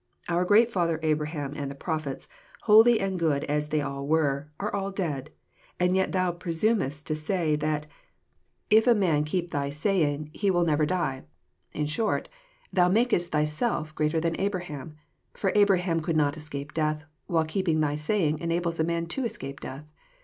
Our great father Abraham and the prophets, holy and good as they all were, are all dead, and yet Thou presumest to say that if a man keep Thy JOHN, CHAP. vin. 129 saying he will never die. In short, Thon makest Thyself greater than Abraham, for Abraham could not escape death, while keeping Thy saying enables a man to escape death.